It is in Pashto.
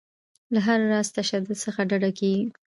له هر راز تشدد څخه ډډه کیږي.